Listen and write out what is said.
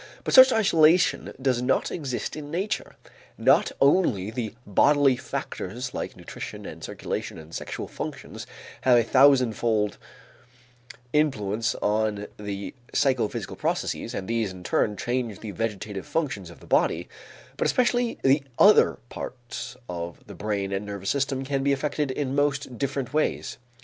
But such isolation does not exist in nature. Not only the bodily factors like nutrition and circulation and sexual functions have a thousandfold influence on the psychophysical processes, and these in turn change the vegetative functions of the body, but especially the other parts of the brain and nervous system can be affected in most different ways.